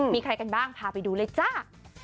มีใครกันบ้างพาไปดูเลยจ้า